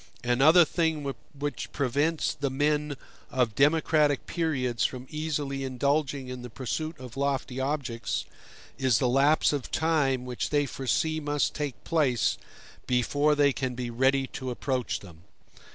Another thing which prevents the men of democratic periods from easily indulging in the pursuit of lofty objects, is the lapse of time which they foresee must take place before they can be ready to approach them.